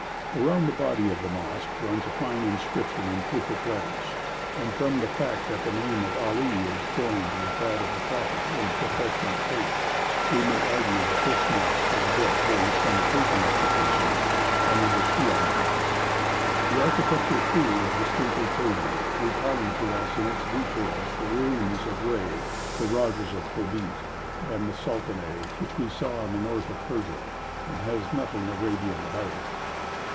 Around the body of the mosque runs a fine inscription in Kufic letters, and from the fact that the name of Ali is joined with that of the Prophet in the profession of faith, we may argue that this mosque was built during some Persian occupation, and was a Shiite mosque. The architecture, too, is distinctly Persian, recalling to us in its details the ruins of Rhey (the Rhages of Tobit) and of Sultanieh, which we saw in the north of Persia, and has nothing Arabian about it.